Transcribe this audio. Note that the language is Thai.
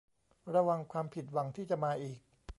ระวังความผิดหวังที่จะมาอีก